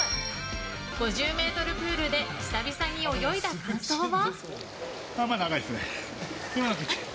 ５０ｍプールで久々に泳いだ感想は。